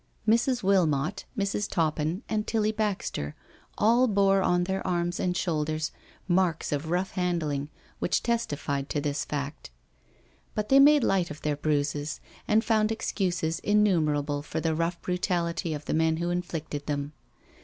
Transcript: Mrs. Wilmot, Mrs. Toppin, and Tilly Baxter all bore on their arms and shoulders marks of rough handling, which testified to this fact. But they made light of their bruises and found excuses innumerable for the rough brutality of the men who inflicted them.